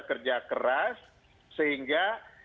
kerja keras sehingga